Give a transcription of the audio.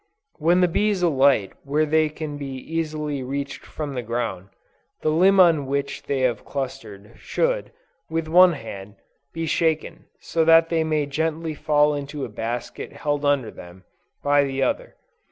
When the bees alight where they can be easily reached from the ground, the limb on which they have clustered, should, with one hand, be shaken, so that they may gently fall into a basket held under them, by the other.